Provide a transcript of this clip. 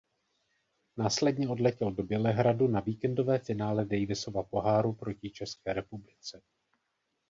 Následně odletěl do Bělehradu na víkendové finále Davisova poháru proti České republice.